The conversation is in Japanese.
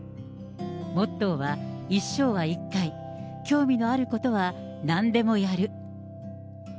モットーは、一生は一回、興味のあることはなんでもやる。